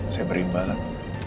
saya berimbah lah